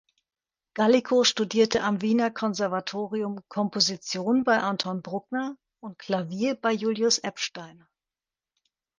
Gallico studierte am Wiener Konservatorium Komposition bei Anton Bruckner und Klavier bei Julius Epstein.